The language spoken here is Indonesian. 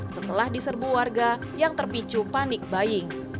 setelah diserbu warga yang terpicu panik baying